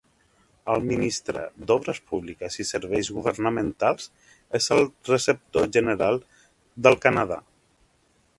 El ministre d'obres públiques i serveis governamentals és el receptor general del Canadà.